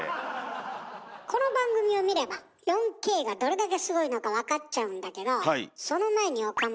この番組を見れば４Ｋがどれだけすごいのか分かっちゃうんだけどその前に岡村。